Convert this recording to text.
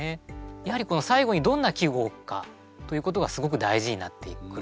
やはり最後にどんな季語を置くかということがすごく大事になってくるんですね。